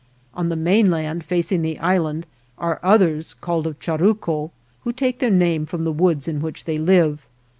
On the main land, facing the island, are others, called of Charrnco, who take their name from the woods in which they live.